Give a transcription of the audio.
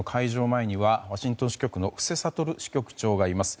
前にはワシントン支局の布施哲支局長がいます。